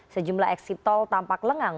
sejumlah eksit tol tampak lengang